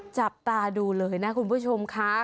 จับตาดูเลยนะคุณผู้ชมค่ะ